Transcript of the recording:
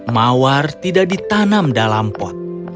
mawar tidak ditanam dalam pot